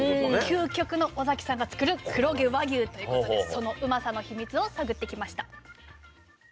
究極の尾崎さんが作る黒毛和牛ということでそのうまさの秘密を探ってきました。